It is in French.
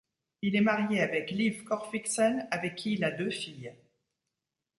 Il est marié avec Liv Corfixen avec qui il a deux filles.